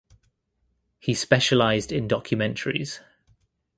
He specialized in documentaries.